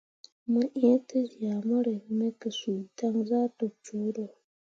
Mo ĩĩ tezyah mo rǝk me ke suu dan zah tok cuuro.